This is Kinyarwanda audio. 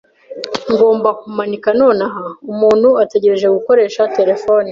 Ngomba kumanika nonaha. Umuntu ategereje gukoresha terefone.